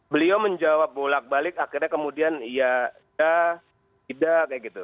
beliau menjawab bolak balik akhirnya kemudian ya tidak kayak gitu